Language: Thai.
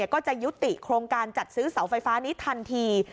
ก็จะยุติโครงการจัดซื้อเสาไฟฟ้านี้ทันที